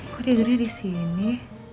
kok tidurnya disini